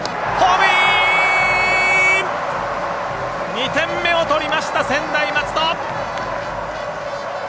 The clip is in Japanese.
２点目を取りました、専大松戸！